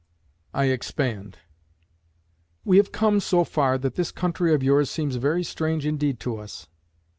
I expand. "We have come so far that this country of yours seems very strange indeed to us."